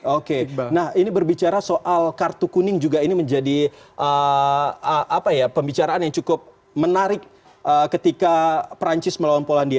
oke nah ini berbicara soal kartu kuning juga ini menjadi pembicaraan yang cukup menarik ketika perancis melawan polandia